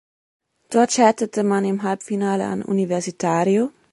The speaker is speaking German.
Dort scheiterte man im Halbfinale an Universitario.